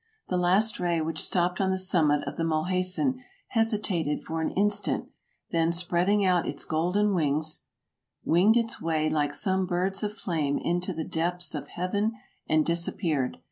The last ray which stopped on the summit of the Mulhacen hesitated for an in stant, then spreading out its golden wings, winged its way like some birds of flame into the depths of heaven and disap peared.